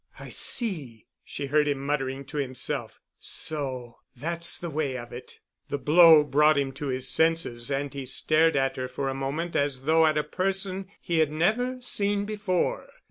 "I see," she heard him muttering to himself, "so that's the way of it——" The blow brought him to his senses, and he stared at her for a moment as though at a person he had never seen before.